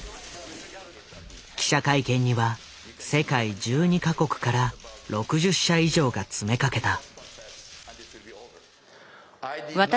記者会見には世界１２か国から６０社以上が詰めかけた。